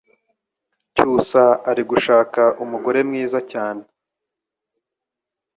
cyusa ari gushaka umugore mwiza cyane